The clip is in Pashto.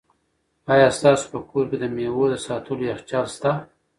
آیا ستاسو په کور کې د مېوو د ساتلو یخچال شته؟